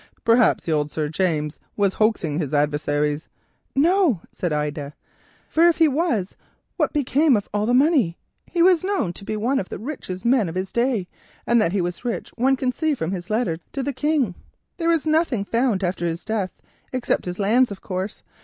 Perhaps old Sir James was hoaxing his enemies!" "No," said Ida, "for if he was, what became of all the money? He was known to be one of the richest men of his day, and that he was rich we can see from his letter to the King. There was nothing found after his death, except his lands, of course.